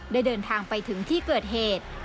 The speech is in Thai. ได้เดินทางไปถึงที่เกิดเหตุ